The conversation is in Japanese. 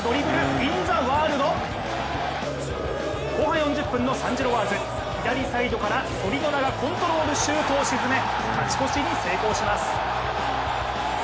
イン・ザ・ワールド後半４０分のサン＝ジロワーズ左サイドからソリノラがコントロールシュートを沈め勝ち越しに成功します。